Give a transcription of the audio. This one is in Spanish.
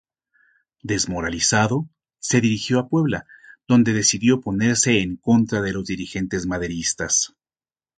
Desmoralizado, se dirigió a Puebla, donde decidió ponerse en contra de los dirigentes maderistas.